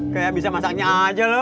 kayak bisa masaknya aja loh